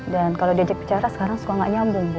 dan kalo diajak bicara sekarang suka gak nyambung bu